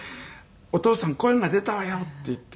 「お父さん声が出たわよ」って言って。